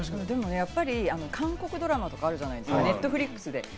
韓国ドラマとかあるじゃないですか、Ｎｅｔｆｌｉｘとか。